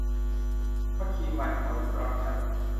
วะคีมันคอนสครัคชั่น